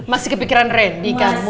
masih kepikiran rendy kamu